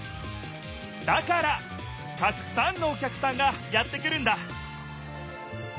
だからたくさんのお客さんがやってくるんだ！